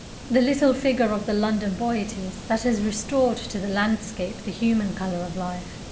The little figure of the London boy it is that has restored to the landscape the human colour of life.